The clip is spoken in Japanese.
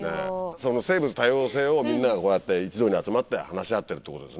その生物多様性をみんながこうやって一堂に集まって話し合ってるってことですね？